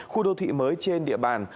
khu đô thị mới trên địa bàn